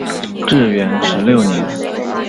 至元十六年。